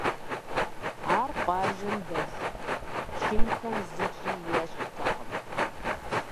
Ар къуажэм дэлъ чынхэм зыкӀи ещхьтэкъым.